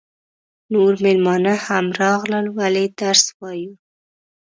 نور مېلمانه هم راغلل ولې درس وایو.